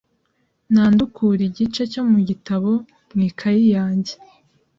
Nandukuye igice cyo mu gitabo mu ikaye yanjye .